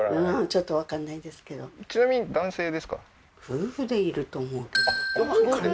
ちょっと分からないですけどちなみにあっご夫婦で？